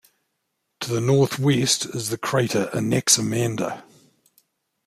To the northwest is the crater Anaximander.